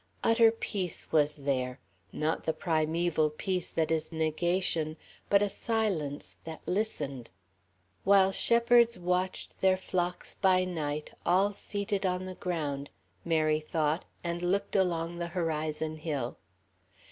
Utter peace was there, not the primeval peace that is negation, but a silence that listened. "'While shepherds watched their flocks by night, all seated on the ground,...'" Mary thought and looked along the horizon hill.